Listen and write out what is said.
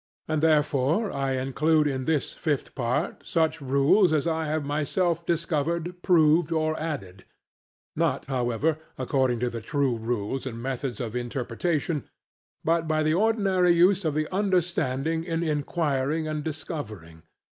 And therefore I include in this fifth part such things as I have myself discovered, proved, or added, not however according to the true rules and methods of interpretation, but by the ordinary use of the understanding in inquiring and discovering.